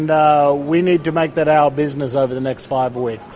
dan kita perlu membuat hal itu dalam bisnis kita selama lima minggu